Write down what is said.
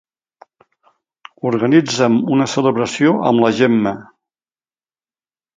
Organitza'm una celebració amb la Gemma.